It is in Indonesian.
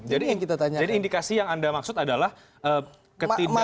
jadi indikasi yang anda maksud adalah ketidak netralan